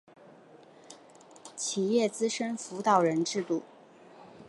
企业资深辅导人制度